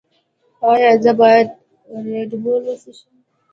ایا زه باید ردبول وڅښم؟